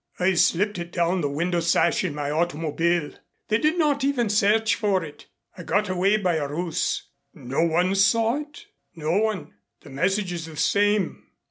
"I slipped it down the window sash in my automobile. They did not even search for it. I got away by a ruse." "No one saw it?" "No one. The message is the same."